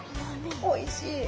おいしい。